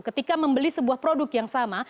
ketika membeli sebuah produk yang sama